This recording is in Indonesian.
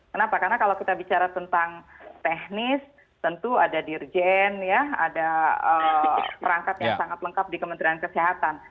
kenapa karena kalau kita bicara tentang teknis tentu ada dirjen ya ada perangkat yang sangat lengkap di kementerian kesehatan